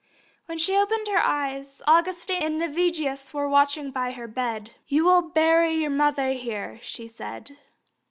When she opened her eyes, Augustine and Navigius were watching by her bed. "You will bury your mother here," she said.